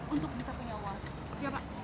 untuk bisa punya uang ya pak